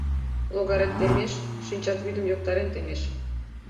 Логарат темеш, шинчат вӱдым йоктарен темеш.